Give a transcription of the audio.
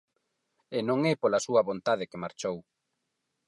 E non é pola súa vontade que marchou.